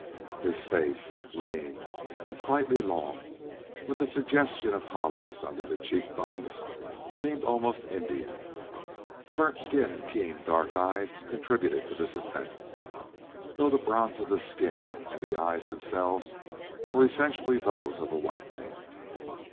His face, lean and slightly long, with the suggestion of hollows under the cheek bones, seemed almost Indian. The burnt skin and keen dark eyes contributed to this effect, though the bronze of the skin and the eyes themselves were essentially those of a white man.